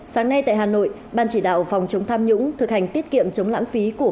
sáng nay tại hà nội ban chỉ đạo phòng chống tham nhũng thực hành tiết kiệm chống lãng phí của